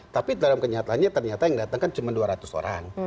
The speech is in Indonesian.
tapi dalam kenyataannya ternyata yang datang kan cuma dua ratus orang